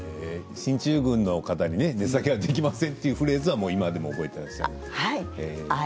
進駐軍の方に値下げはできませんというフレーズは今でも覚えてらっしゃる。